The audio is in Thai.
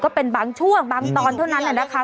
ก็เป็นบางช่วงบางตอนเท่านั้นนะคะ